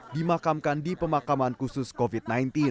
dimakamkan di pemakaman khusus covid sembilan belas